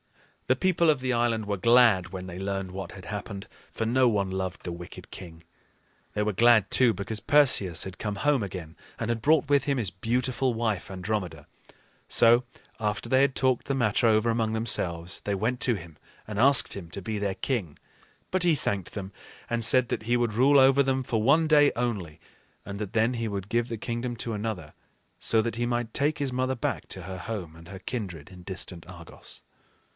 The people of the island were glad when they learned what had happened, for no one loved the wicked king. They were glad, too, because Perseus had come home again, and had brought with him his beautiful wife, Andromeda. So, after they had talked the matter over among themselves, they went to him and asked him to be their king. But he thanked them, and said that he would rule over them for one day only, and that then he would give the kingdom to another, so that he might take his mother back to her home and her kindred in distant Argos.